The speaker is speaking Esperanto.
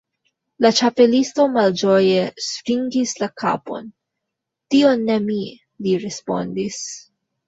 La Ĉapelisto malĝoje svingis la kapon. "Tion ne mi," li respondis.